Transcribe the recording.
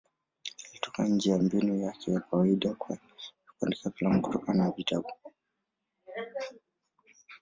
Ilitoka nje ya mbinu yake ya kawaida ya kuandika filamu kutokana na vitabu.